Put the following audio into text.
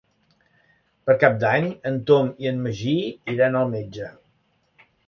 Per Cap d'Any en Tom i en Magí iran al metge.